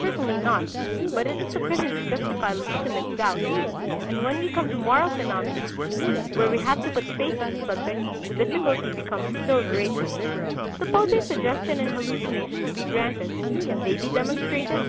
Certainly not; but it is sufficient to justify legitimate doubt. And when we come to moral phenomena, where we have to put faith in the subject, the difficulty becomes still greater. Supposing suggestion and hallucination to be granted, can they be demonstrated?